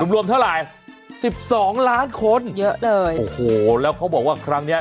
รวมเท่าไหร่สิบสองล้านคนเยอะเลยโอ้โหแล้วเขาบอกว่าครั้งเนี้ย